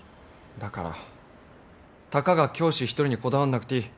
だからたかが教師一人にこだわんなくていい。